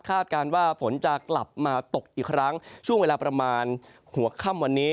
การว่าฝนจะกลับมาตกอีกครั้งช่วงเวลาประมาณหัวค่ำวันนี้